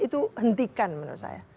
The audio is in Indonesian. itu hentikan menurut saya